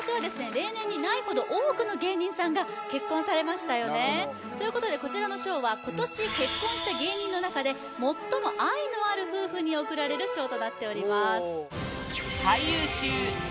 例年にないほど多くの芸人さんが結婚されましたよねということでこちらの賞は今年結婚した芸人の中で最も愛のある夫婦に贈られる賞となっております